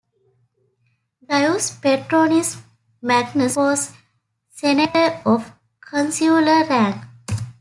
Gaius Petronius Magnus was a senator of consular rank.